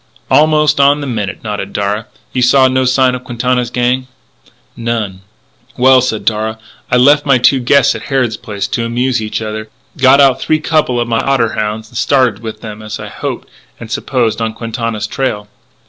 "Almost on the minute," nodded Darragh.... "You saw no signs of Quintana's gang?" "None." "Well," said Darragh, "I left my two guests at Harrod Place to amuse each other, got out three couple of my otter hounds and started them, as I hoped and supposed, on Quintana's trail."